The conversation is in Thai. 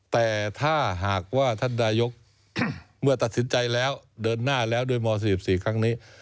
แต่ถ้าหากว่าท่านนายกเมื่อตัดสินใจแล้วเดินหน้าแล้วด้วยม๔๔ครั้งนี้